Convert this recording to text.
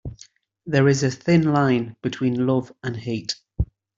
There is a thin line between love and hate.